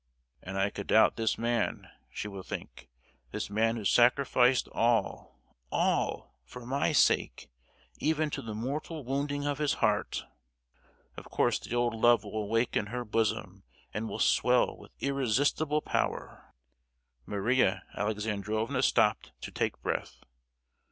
'And I could doubt this man!' she will think, 'this man who sacrificed all, all, for my sake—even to the mortal wounding of his heart!' Of course the old love will awake in her bosom and will swell with irresistible power!" Maria Alexandrovna stopped to take breath.